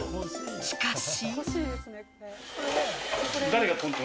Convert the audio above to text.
しかし。